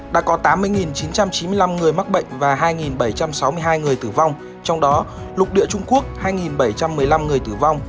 đã có tám mươi chín trăm chín mươi năm người mắc bệnh và hai bảy trăm sáu mươi hai người tử vong trong đó lục địa trung quốc hai bảy trăm một mươi năm người tử vong